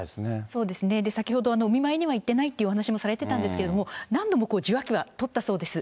そうですね、先ほどお見舞いには行ってないというお話もされてたんですけども、何度も受話器は取ったそうです。